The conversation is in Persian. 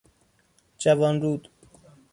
جوانرود